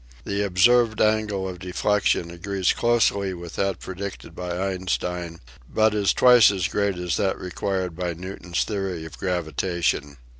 The observed angle of deflection agrees closely with that predicted by Einstein but is twice as great as that required by Newton's theory of gravitation.